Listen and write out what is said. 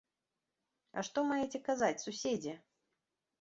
А што маеце казаць, суседзе!